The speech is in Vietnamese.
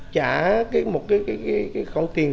trả một cái khoản tiền